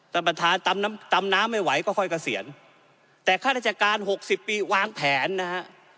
ท่านประธานตำน้ำตำน้ำไม่ไหวก็ค่อยเกษียณแต่ข้าราชการหกสิบปีวางแผนนะฮะ